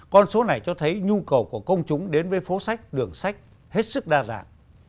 con số này cho thấy nhu cầu của công chúng đến với phố sách đường sách hết sức đa dạng